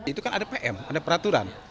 itu kan ada pm ada peraturan